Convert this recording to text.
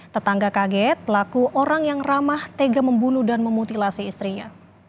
tetangga kaget pelaku orang yang ramah tega membunuh dan memutilasi istrinya